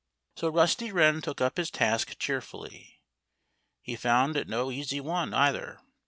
So Rusty Wren took up his task cheerfully. He found it no easy one, either.